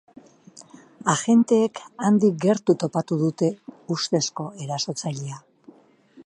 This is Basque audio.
Agenteek handik gertu topatu dute ustezko erasotzailea.